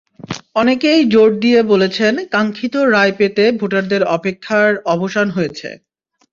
অনেকেই জোর দিয়ে বলেছেন, কাঙ্ক্ষিত রায় পেতে ভোটারদের অপেক্ষার অবসান হয়েছে।